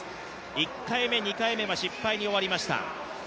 １回目、２回目は失敗に終わりました。